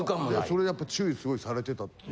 それやっぱ注意すごいされてたっていう。